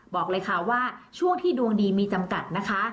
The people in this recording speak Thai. บอกเลยค่ะว่าช่วงที่ดวงดีมีจำกัดนะคะ